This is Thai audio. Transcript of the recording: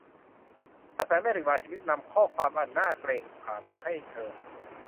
กระแสแม่เหล็กบางชนิดนำข้อความอันน่าเกรงขามมาให้เธอ